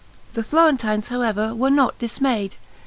The Florentines, however, were not dismayed.